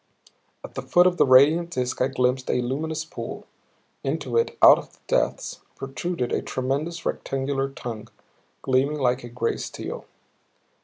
At the foot of the radiant disk I glimpsed a luminous pool. Into it, out of the depths, protruded a tremendous rectangular tongue, gleaming like gray steel.